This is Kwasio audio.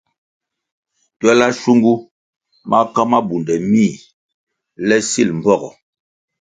Twela shungu maka mabunde mih le sil mbpogo.